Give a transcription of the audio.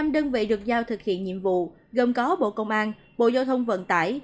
năm đơn vị được giao thực hiện nhiệm vụ gồm có bộ công an bộ giao thông vận tải